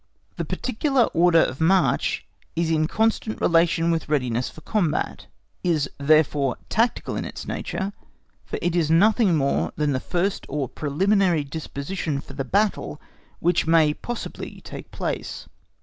The particular order of march is in constant relation with readiness for combat, is therefore tactical in its nature, for it is nothing more than the first or preliminary disposition for the battle which may possibly take place.